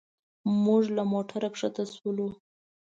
موږ له موټر ښکته شولو.